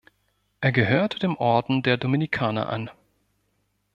Er gehörte dem Orden der Dominikaner an.